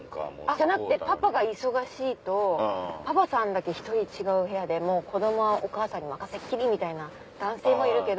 じゃなくてパパが忙しいとパパさんだけ１人違う部屋でもう子供はお母さんに任せっきりみたいな男性もいるけど。